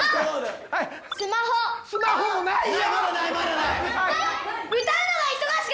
スマホもないよ！